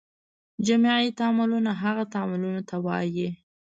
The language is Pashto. جمعي تعاملونه هغه تعاملونو ته وایي.